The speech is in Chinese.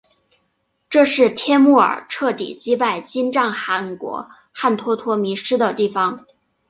这里是帖木儿彻底击败金帐汗国汗脱脱迷失的地方。